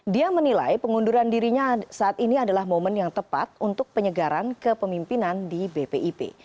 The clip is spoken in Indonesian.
dia menilai pengunduran dirinya saat ini adalah momen yang tepat untuk penyegaran kepemimpinan di bpip